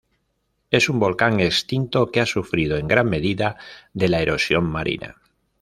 Es un volcán extinto que ha sufrido en gran medida de la erosión marina.